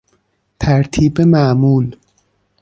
ترتیب معمول